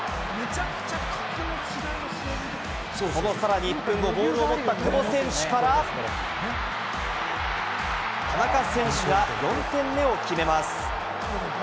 そのさらに１分後、ボールを持った久保選手から、田中選手が４点目を決めます。